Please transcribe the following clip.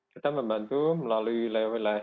kita membantu melalui wilayah wilayah